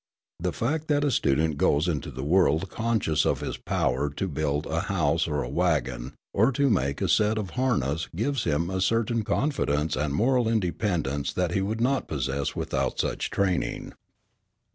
The fact that a student goes into the world conscious of his power to build a house or a wagon or to make a set of harness gives him a certain confidence and moral independence that he would not possess without such training.